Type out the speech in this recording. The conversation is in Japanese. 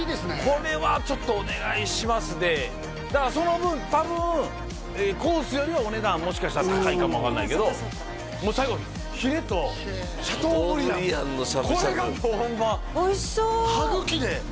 これはちょっとお願いしますでだからその分多分コースよりはお値段もしかしたら高いかも分かんないけどもう最後フィレとシャトーブリアンこれがもうホンマおいしそう歯茎で！